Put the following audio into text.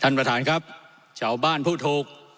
ท่านประธานครับชาวบ้านพุทธภูมิ